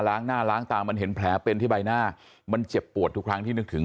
ล้างหน้าล้างตามันเห็นแผลเป็นที่ใบหน้ามันเจ็บปวดทุกครั้งที่นึกถึง